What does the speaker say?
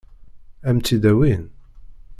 Ad m-tt-id-awin?